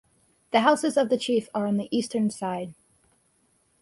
The houses of the chief are on the eastern side.